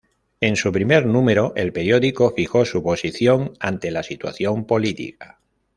En su primer número el periódico fijó su posición ante la situación política.